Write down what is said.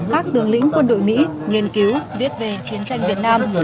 các tướng lĩnh quân đội mỹ nghiên cứu viết về chiến tranh việt nam